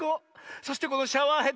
そしてこのシャワーヘッド。